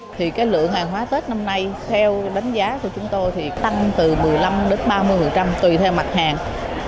thì cái lượng hàng hóa tết năm nay theo đánh giá của chúng tôi thì tăng từ một mươi năm đến ba mươi tùy theo mặt hàng